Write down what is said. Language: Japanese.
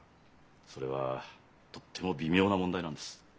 それはとっても微妙な問題なんです。